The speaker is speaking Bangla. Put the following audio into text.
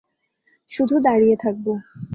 শুধু দাঁড়িয়ে থাকবে।